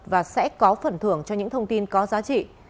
và sẽ có phần thưởng cho những thông tin có giá trị